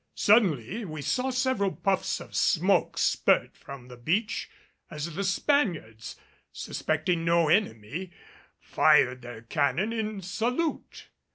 Suddenly we saw several puffs of smoke spurt from the beach as the Spaniards, suspecting no enemy, fired their cannon in salute.